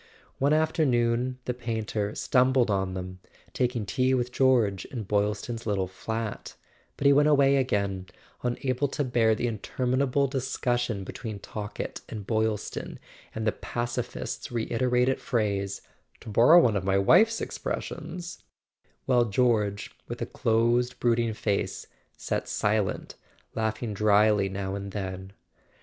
One afternoon the painter stumbled on them, taking tea with George in Boylston's little flat; but he went away again, unable to bear the interminable discussion between Talkett and Boyl ston, and the pacifist's reiterated phrase: "To borrow one of my wife's expressions"—while George, with a closed brooding face, sat silent, laughing drily now and then.